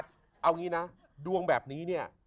เชียร์เกิดมาดวงแบบนี้เนี่ย